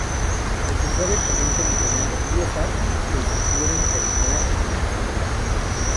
Los usuarios comienzan diseñando "piezas" que se pueden combinar en "ensamblajes.